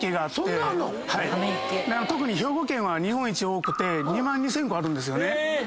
そんなあんの⁉特に兵庫県は日本一多くて２万２，０００個あるんですよね。